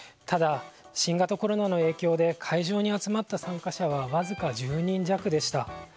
ただ、新型コロナの影響で会場に集まった参加者はわずか１０人弱でした。